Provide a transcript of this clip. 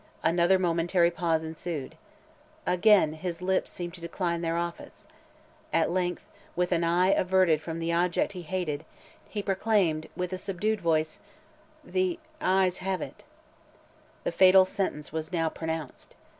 Another momentary pause ensued. Again his lips seemed to decline their office. At length, with an eye averted from the object he hated, he proclaimed, with a subdued voice, 'The, AYES have it.' The fatal sentence was now pronounced.